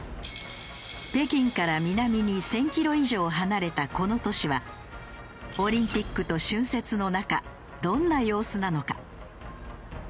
北京から南に１０００キロ以上離れたこの都市はオリンピックと春節の中どんな様子なのか？